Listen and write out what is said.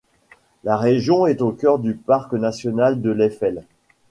La région est au cœur du Parc national de l'Eifel.